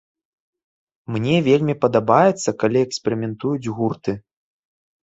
Мне вельмі падабаецца, калі эксперыментуюць гурты.